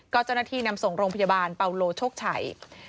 ก็จ้อนาทีนำส่งโรงพยาบาลปาโลโชกไฉ